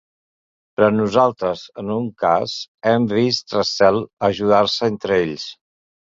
Però nosaltres, en un cas, hem vist recel a ajudar-se entre ells.